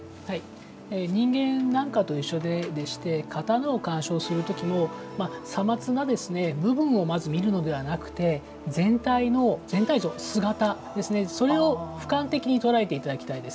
人間なんかと一緒で刀を鑑賞するときも瑣末な部分を見るのではなくて全体像、姿、それをふかん的に捉えていただければと思います。